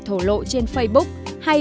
thổ lộ trên facebook hay